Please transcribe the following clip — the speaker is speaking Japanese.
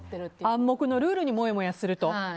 暗黙のルールにもやもやすると。